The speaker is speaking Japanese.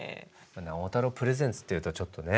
直太朗プレゼンツっていうとちょっとね